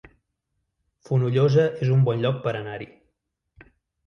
Fonollosa es un bon lloc per anar-hi